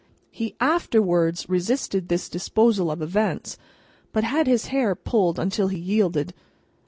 He afterwards resisted this disposal of events, but had his hair pulled until he yielded.